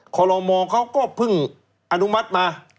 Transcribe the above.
คลมมเขาก็พึ่งอนุมัติมา